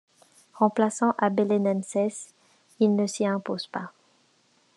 Remplaçant à Belenenses, il ne s'y impose pas.